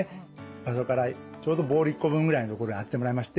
場所からちょうどボール１個分ぐらいの所に当ててもらいまして